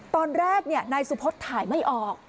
ตอนแรกนายสุพธถ่ายไม่ออก